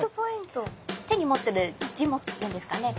手に持ってる持物っていうんですかね